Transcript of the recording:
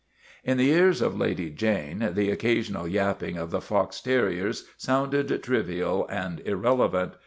' In the ears of Lady Jane the occasional yapping of the fox terriers sounded trivial and irrelevant.